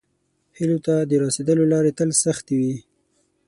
هیلو ته د راسیدلو لارې تل سختې وي.